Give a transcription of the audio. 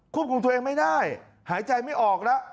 คุมตัวเองไม่ได้หายใจไม่ออกแล้ว